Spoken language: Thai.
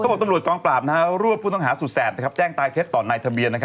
เข้าบอกตำรวจกล้องปราบรวบผู้ต้องหาสุดสระแจ้งตายเคล็ดต่อในทะเบียน